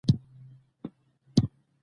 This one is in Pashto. ګاز د افغانانو لپاره په معنوي لحاظ ارزښت لري.